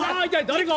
誰か！